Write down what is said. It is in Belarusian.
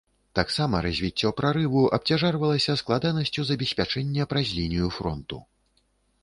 Таксама развіццё прарыву абцяжарвалася складанасцю забеспячэння праз лінію фронту.